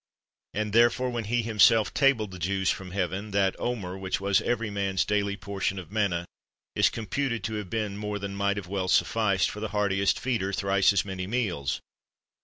And, therefore, when He Himself tabled the Jews from Heaven, that omer, which was every man's daily portion of manna, is computed to have been more than might have well sufficed the heartiest feeder thrice as many meals.